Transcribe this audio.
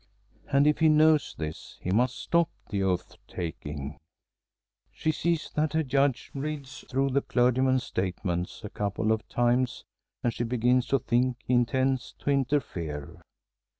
And if he knows this, he must stop the oath taking. She sees that the Judge reads through the clergyman's statements a couple of times and she begins to think he intends to interfere.